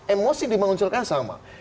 emosi dimengunculkan sama